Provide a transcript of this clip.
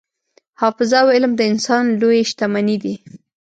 حافظه او علم د انسان لویې شتمنۍ دي.